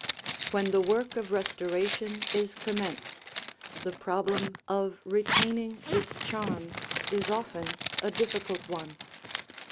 When the work of restoration is commenced, the problem of retaining this charm is often a difficult one.